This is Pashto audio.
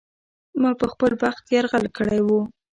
ما په خپل بخت یرغل کړی و.